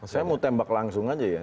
saya mau tembak langsung aja ya